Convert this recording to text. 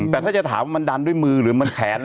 แต่ถ้าจะถามว่ามันดันด้วยมือหรือมันแขน